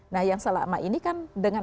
nah yang selama ini kan dengan